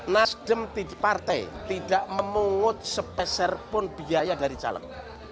nasdem tidak memungut sepeserpun biaya dari calon